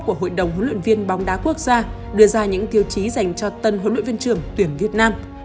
của hội đồng huấn luyện viên bóng đá quốc gia đưa ra những tiêu chí dành cho tân huấn luyện viên trưởng tuyển việt nam